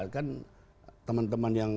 kan teman teman yang